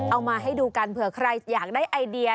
เอามาให้ดูกันเผื่อใครอยากได้ไอเดีย